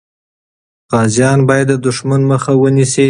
غازیان باید د دښمن مخه ونیسي.